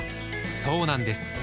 そうなんです